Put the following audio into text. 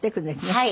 はい。